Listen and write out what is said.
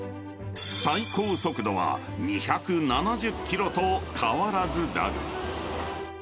［最高速度は２７０キロと変わらずだが］